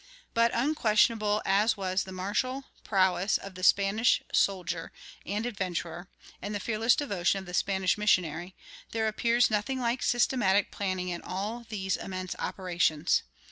But, unquestionable as was the martial prowess of the Spanish soldier and adventurer, and the fearless devotion of the Spanish missionary, there appears nothing like systematic planning in all these immense operations.